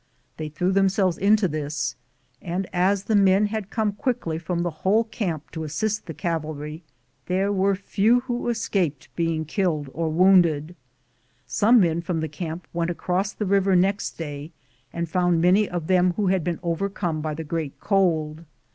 They threw them selves into this, and as the men had coma quickly from the whole camp to assist the cavalry, there were few who escaped being killed or wounded. Some men from the camp went across the river next day and found many of them who had been over come by the great cold.